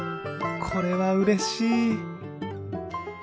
これはうれしい！